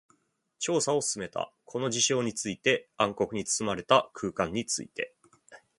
調査を進めた。この事象について、暗黒に包まれた空間について。